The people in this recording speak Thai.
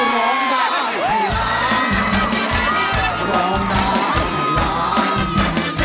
ร้องได้แบบนี้แน่นอน